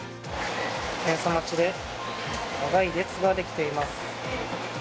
検査待ちで長い列が出来ています。